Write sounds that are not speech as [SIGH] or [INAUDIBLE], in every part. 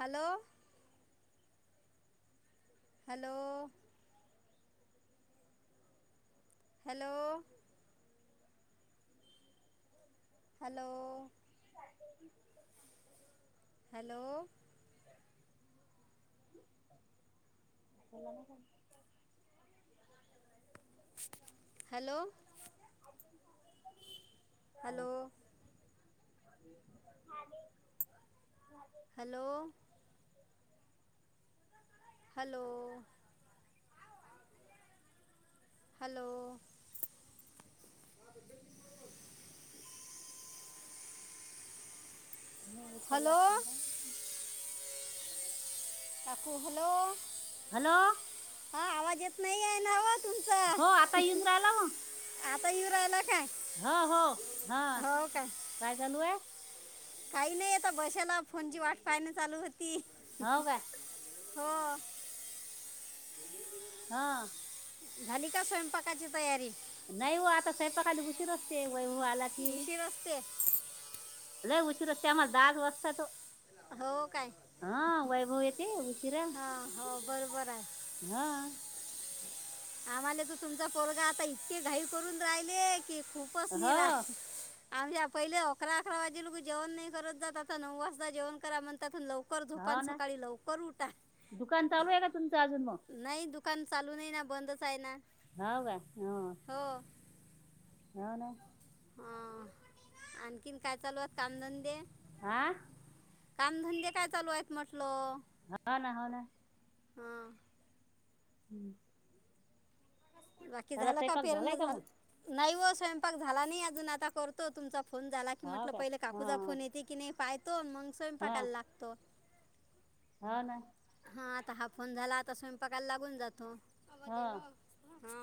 Hello! ! Hello.. hello.. ! Hello.. ! [UNINTELLIGIBLE] Hello... ! [INAUDIBLE] मुलांना [UNINTELLIGIBLE] hello! Hello! [UNINTELLIGIBLE] Hello! Hello! Hello! नाही [UNINTELLIGIBLE] hello लागती का? काकू हॅलो हॅलो... हा आवाज येत नाही आहे नव्हं हो आता येऊन राहिला म मय हो हो हा काय चालू आहे [INAUDIBLE] काही नाही आता बसायला फोनची वाट पायण चालू होती होऊ काय? हो [INAUDIBLE] हा झाली का स्वयंपाकाची तयारी? नाही हो आता सायपाकाला उशीर असते वैभव आला की, उशीर असते लय उशीर असते, आम्हाला दहा बी वाजतेत ओ. हो काय हा वैभव येते उशीरा. हां हो बरोबर आहे हा आम्हाला तर तुमचा पोरगा आता इतके घाई करून राहिले की खूपच हो निराश आम्ही पहिले अकरा अकरा वाजे लोकं जेवण नाही करत जात, आता नऊ वाजता जेवण करा म्हणतात अन्‌ लव‌ लवकर झोपा अन हो ना सकाळी लवकर उठा. दुकान चालू आहे का तुमचं अजून मग नाही दुकान चालू नाही ना बंदच आहे ना. हावं का? हो ह ना. ह आणखीन काय चालूयत कामधंदे? हा कामधंदे काय चालू आहेत म्हटलं? हा ना हो ना. हा हम्म बाकी त्याला झालं का स्वयंपाक झालाय पेरणं का झालं? मग नाही व स्वयंपाक झाला नाही अजून आता करतो तुमचा फोन झाला की हो म्हटलं, काय पहिले काकूचा हा फोन येते की नाही पाहतो मग हा स्वयंपाकाला लागतो. हो ना. ह आता हा फोन झाला आता स्वयंपाकाला लागून जातो. हो हा.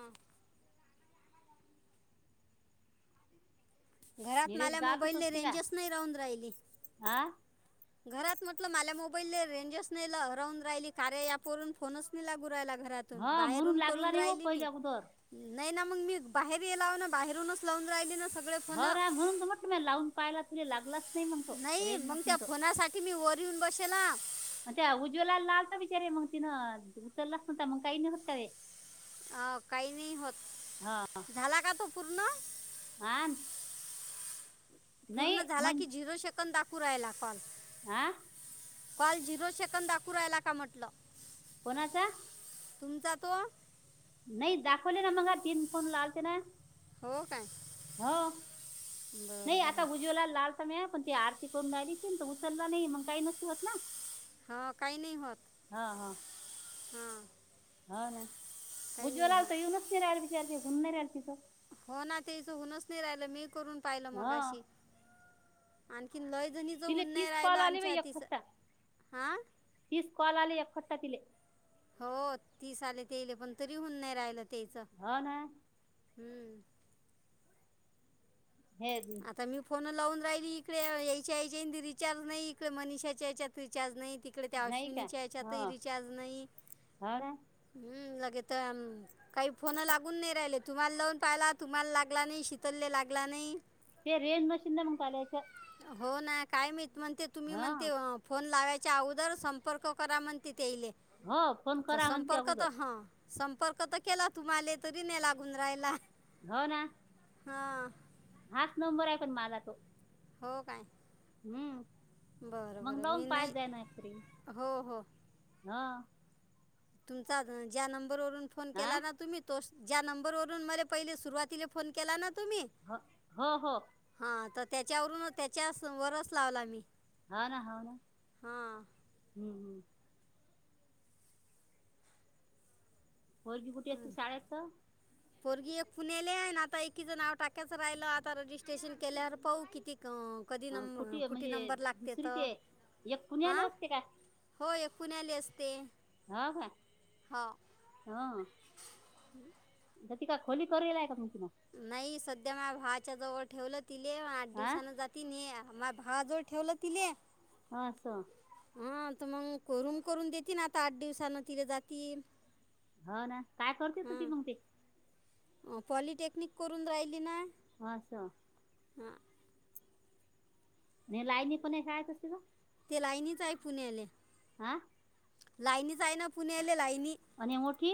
घरात निलेश माला गातच मोबाईले असते का रेंजच नाही राहून राहिली. हा घरात म्हटलं माझ्या मोबाईलने रेंजच नाय राहून राहिली, कार्या एप वरून फोनच नाय लागु राहिला घरातून, हा म्हणून बाहेरून करू लागला नाही हो राहिली पहिले मी. अगोदर नाही ना मग मी बाहेर येलाव ना बाहेरूनच लावून राहिली ना स हो ना म्हणून त म्हटलं मी लावून पाहायला तिला लागलाच नाही मग तो नाही, रेंज मग मशीन त्या फोनासाठी मी वर येऊन बसेला. म त्या उज्वला‌‌ला आलता विचारे मग तिनं, उचललाच असता तर मग काही नाय होत का रे? अ काही नाही होत, झाला का तू पूर्ण? आण. पूर्ण झाला कि झिरो सेकंद दाखवू राहिला कॉल. आं. कॉल झिरो सेकंद दाकून रायला का म्हटलं. कोणाचा, तुमचा तो, नाही दाखवले ना मग तीन फोन लालते ना. हो काय हो, बरं नाही आता बरं उज्वलाला लावत मी. पण ती आरती करून राहिली तर उचलला नाही मण काही नसती होत ना. हा काही नाही होत. हा हा. हा ना, उज्ज्वला आल तर येऊनच नाही राहिल विचारते होऊन नाही राहिलं तिचं. हो ना तेच होऊनच नाही राहिलं, मी करून पाहिलं हा मगाशी, आणखी कि लय जणीच तिले होऊन नाही तीस कॉल राहिलं आले आमच्या बाई एक आधीच खट्टा तीस कॉल आले एखट्टा तिले. हो तीस आले तेले पण तरी होऊन नाही राहिलं. त्याचं हो ना. हम्म. हे आता मी फोन लावून राहिली इकडे यांच्या याच्यात रिचार्ज नाही, इकडे मनिषाच्या याच्यात रिचार्ज नाही. तिकडे त्या नाही का अश्विनीच्या याच्यात ही हो रिचार्ज नाही. हो ना हम लाग तीत काही फोन लागून नाही. राहिलेत तुम्हाला लवून पाहिलात तुम्हाला लागला नाही शितल ले लागला नाही. ते रेन मशीन मग चालायचं, हो ना काय माहित मणते तुम्ही म्हणते ह फोन लावायच्या अगोदर संपर्क करा म्हणते. तेले हो फोन म्हटल करा म्हणते संपर्कात अगोदर हा. संपर्क तर केला तुम्हाला, तरी नाय लागुन रायला. हो ना. हा. हाच नंबर आहे पण माझा तो. हो काय. हम्म बरं मग बरं जाऊन मी पाय नाही [UNINTELLIGIBLE] हो हो ह. तुमचा ज्या नंबर वरुन फोन हा केला ना तुम्ही तोच. ज्या नंबर वरून मला पहिले, सुरुवातीला फोन केला ना. तुम्ही ह हो हो. हां तर त्याच्यावरून त्याच्या वरच लावला मी. हा ना, हा ना हां हम्म हम्म. मुलगी कुठे असती शाळेत. पोरगी एक पुण्याले आहे ना, आता एकीच नाव टाक्याच राहिलं आता रजिस्ट्रेशन केल्यावर पाहू किती, क कधी अं, नंब आहे? कुठे म्हणजे नंबर लागतेत. दुसरी ते एक आं पुण्याला असते का होय एक, पुण्याले असते. हा का हो हा, ती काय खोली करून हाय काय मग, तिनं नाही सध्या माया भावाच्या जवळ ठेवलं, तिले आठ हा दिवसान जाती न माया भावाजवळ ठेवलं तिले, ह असं. हा तर मग करून करून देतील, ना आता आठ दिवसान तिला जातील. हां ना काय करत होती. मग ती, अ पॉलिटेक्निक करून राहिली ना, हा असं, हं, [UNINTELLIGIBLE] ते लाईनीच आहे पुण्याले, आ. लाईनीच आहे ना पुण्याले लाईन. आणि मोठी.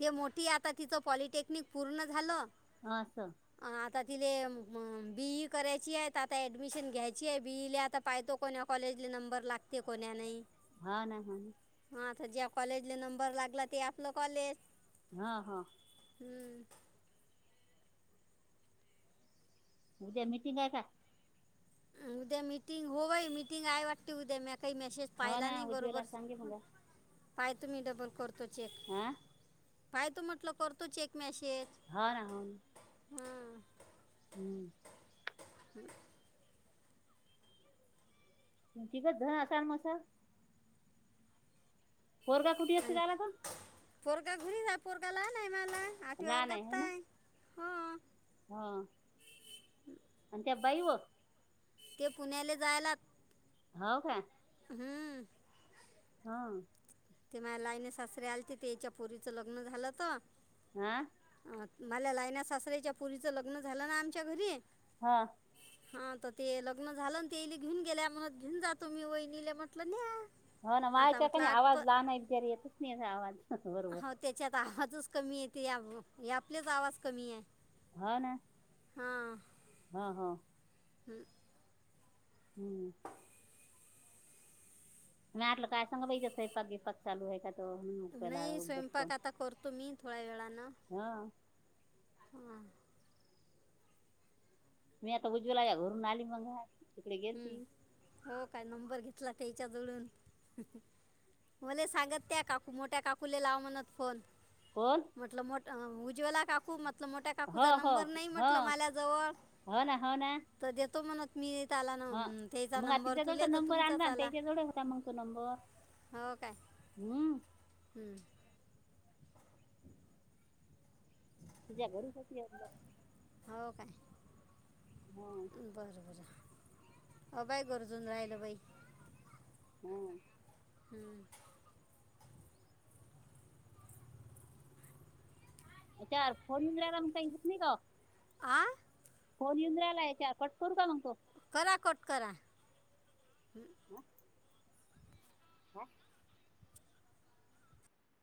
ते मोठी आता तिथं पॉलिटेक्निक पूर्ण झालं. हां अस. तर तिले बीई करायची आहे आता ऍडमिशन घ्यायची आहे बीईला आता पाहतो कोण्याव कॉलेजले नंबर लागते कोण्या नाही. हा ना हा ना. हा ज्या कॉलेजले नंबर लागला. ते आपलं कॉलेज, हा हा, हम्म, उद्या मिटिंग आहे काय? उद्या मिटिंग हो बाई मिटिंग आहे वाटते उद्या [UNINTELLIGIBLE] काही मेसेज हो पाहिला ना नाही उज्ज्वला बरोबर, सांगे मग पाय तुमी डबल करतो चेक, हा पाय तो म्हटलं करतो चेक मॅशेज. हा ना हो, हम्म, [UNINTELLIGIBLE] तिथंच ध असा मसा, पोरगा का कुठे एकटे आणि राहिला ग पोरगा घरी हाय पोरग आणायला नाही आठव्या वर्गात हाय. हा आणि त्या बाई व. - ते पुण्याले जायलात. हो काय. हम्म. हां. ते माझ लाईने सासरे आलेते ते याच्या पुोरीच लग्न झालंत. हां मला लायन्या सासऱ्याच्या मुरीचं लग्न झालं ना आमच्या घरी. हां. हा तर ते लग्न झालं तेईले घेऊन गेल्या म्हणत घेऊन जातो मी वहिनीला म्हटलं न्या. हो ना आता माझच्याक म्हटलं कने आठ प आवाज लहान आहे येतच नाही आवाज. बरोबर हो त्याच्यात आवाजच कमी येते कि आपलेच आवाज कमी आहे. हा ना. हां हां. हम् हम्म. म्या ह्यातलं काय सांगू बाई स्वंयपाक- बियंपाक चालू हाय तर हा हुं केलाय नाही नंतर फोन स्वयंपाक आता करतो मी थोड्या वेळानं हा. हां. मी आता उज्ज्वला च्या घरून आली मग तिकडे गेल हं. ती. हो काय नंबर घेतला काय हिच्या जवळून. मले सांगत त्या काकू मोठ्या काकूला लाव म्हणत फोन. कोण? म्हंटल मोट उज्वला काकू म मोठ्या हो काकूचा हो नंबर नाही हो म्हंटल माझ्या जवळ तर देतो म्हणत मी त्याला ना हा हं, त्याचा मग आ नंबर तिच्या कडचा तुले तर नंबर तुमचाच आणला आला त्याच्या कड होता मग तो नंबर. हम्म. हम. तुझ्या घरी कशी आहेत लोक? हो काय बरं बरं. अ बाई गरजुन राहिलं बाई. ह हम्म. [UNINTELLIGIBLE] आ. फोन येऊन राहिलाय चा पट करू का मग तो. करा कट करा. ह.